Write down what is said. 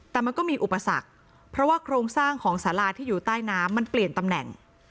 แต่มันก็มีอุปสรรคเพราะว่าโครงสร้างของสาราที่อยู่ใต้น้ำมันเปลี่ยนตำแหน่ง